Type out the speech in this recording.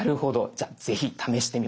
じゃあぜひ試してみましょう。